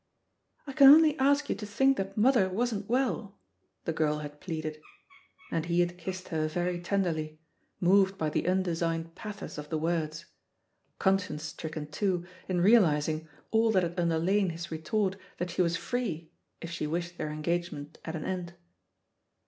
"I can only ask you to think that mother wasn't well," the girl had pleaded. And he had kissed her very tenderly, moved by the undesigned pathos of the words — conscience stricken, too, in realising all that had underlain his retort that she was free if she wished their engagement at an end.